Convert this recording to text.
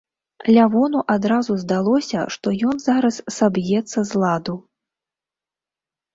Лявону адразу здалося, што ён зараз саб'ецца з ладу.